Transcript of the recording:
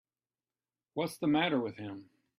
What's the matter with him.